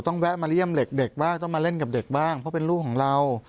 แวะมาเยี่ยมเด็กบ้างต้องมาเล่นกับเด็กบ้างเพราะเป็นลูกของเรา